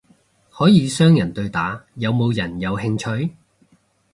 可以雙人對打，有冇人有興趣？